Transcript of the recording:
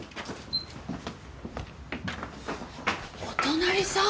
お隣さん！？